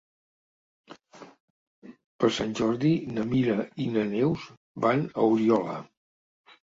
Per Sant Jordi na Mira i na Neus van a Oriola.